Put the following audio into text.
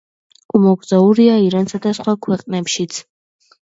უმოგზაურია ირანსა და სხვა ქვეყნებშიც.